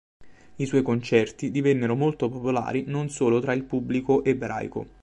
I suoi concerti divennero molto popolari non solo tra il pubblico ebraico.